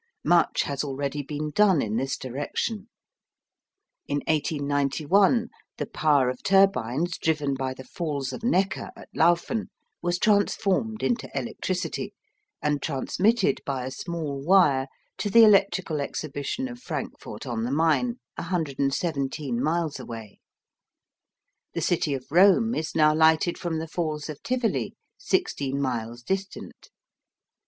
Much has already been done in this direction. In 1891 the power of turbines driven by the Falls of Neckar at Lauffen was transformed into electricity, and transmitted by a small wire to the Electrical Exhibition of Frankfort on the Main, 117 miles away. The city of Rome is now lighted from the Falls of Tivoli, 16 miles distant.